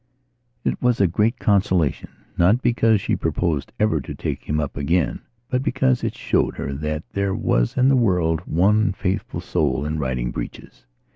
It was a great consolation, not because she proposed ever to take him up again, but because it showed her that there was in the world one faithful soul in riding breeches.